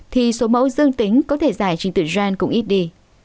thì số mẫu dương tính có thể dài trình tựu gene cũng ít đi